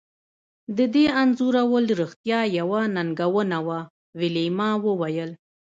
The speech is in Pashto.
د دې انځورول رښتیا یوه ننګونه وه ویلما وویل